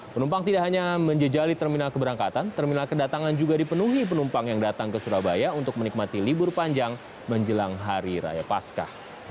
penumpang tidak hanya menjejali terminal keberangkatan terminal kedatangan juga dipenuhi penumpang yang datang ke surabaya untuk menikmati libur panjang menjelang hari raya pasca